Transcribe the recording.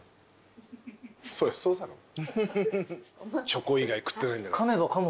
チョコ以外食ってないんだから。